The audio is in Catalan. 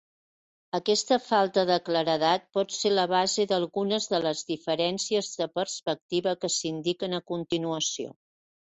Aquesta falta de claredat pot ser la base d'algunes de les diferències de perspectiva que s'indiquen a continuació.